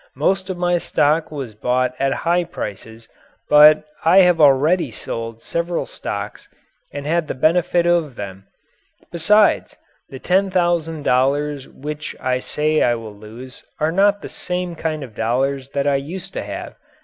Most of my stock was bought at high prices, but I have already sold several stocks and had the benefit of them. Besides, the ten thousand dollars which I say I will lose are not the same kind of dollars that I used to have.